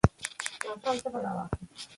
شېرخان ترین له بیګلربیګي سره اختلاف درلود.